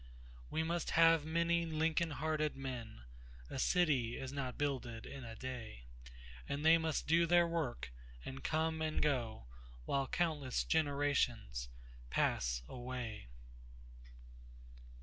We must have many Lincoln hearted men—A city is not builded in a day—And they must do their work, and come and goWhile countless generations pass away.